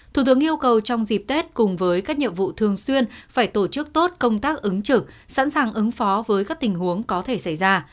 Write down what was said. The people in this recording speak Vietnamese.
thủ tướng yêu cầu trong dịp tết cùng với các nhiệm vụ thường xuyên phải tổ chức tốt công tác ứng trực sẵn sàng ứng phó với các tình huống có thể xảy ra